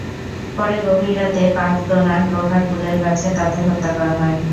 পরে গভীর রাতে পাঁচদোনার লোহার পুলের কাছে তাঁদের হত্যা করা হয়।